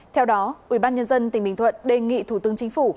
theo đó ủy ban nhân dân tỉnh bình thuận đề nghị thủ tướng chính phủ